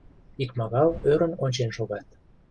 Икмагал ӧрын ончен шогат.